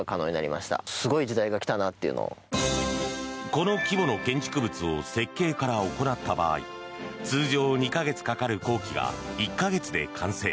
この規模の建築物を設計から行った場合通常２か月かかる工期が１か月で完成。